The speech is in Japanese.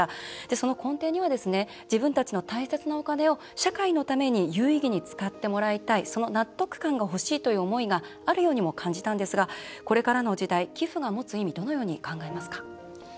その根底には自分たちの大切なお金を社会のために有意義に使ってほしいという納得感が欲しいという思いがあるようにも感じたんですがこれからの時代、寄付が持つ意味どのように考えますか？